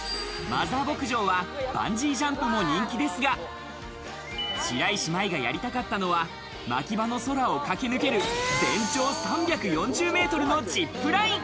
マザー牧場はバンジージャンプも人気ですが、白石麻衣がやりたかったのはまきばの空を駆け抜ける、全長３４０ｍのジップライン。